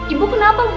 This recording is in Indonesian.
ibu kenapa bu